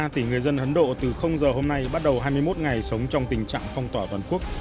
ba tỷ người dân ấn độ từ giờ hôm nay bắt đầu hai mươi một ngày sống trong tình trạng phong tỏa toàn quốc